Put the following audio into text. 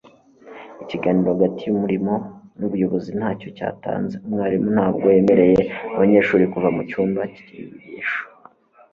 ikiganiro hagati yumurimo nubuyobozi ntacyo cyatanze. umwarimu ntabwo yemereye abanyeshuri kuva mu cyumba cy'inyigisho